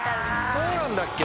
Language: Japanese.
そうなんだっけ？